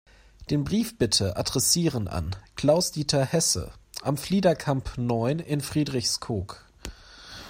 Den Brief bitte adressieren an Klaus-Dieter Hesse, Am Fliederkamp neun in Friedrichskoog.